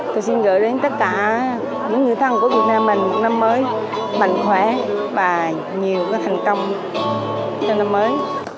tôi xin gửi đến tất cả những người thân của việt nam mình một năm mới mạnh khỏe và nhiều thành công trong năm mới